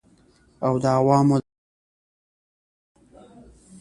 او د عوامو دغه ډول نظریاتو ته